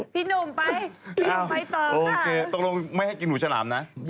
พี่หนุ่มไปต่อค่ะโอเคตรงไม่ให้กินหูฉลามนะ